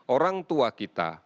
orang tua kita